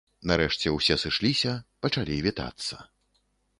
Нарэшце ўсе сышліся, пачалі вітацца.